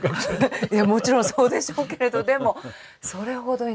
もちろんそうでしょうけれどでもそれほどに。